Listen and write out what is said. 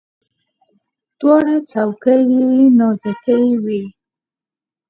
دواړه څوکي یې نازکې وي.